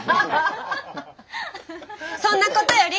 そんなことより！